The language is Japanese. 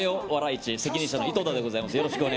市責任者の井戸田でございます。